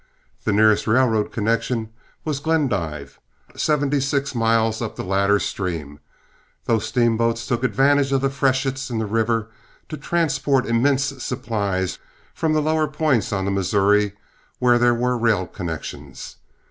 The nearest railroad connection was Glendive, seventy six miles up the latter stream, though steamboats took advantage of freshets in the river to transport immense supplies from lower points on the Missouri where there were rail connections.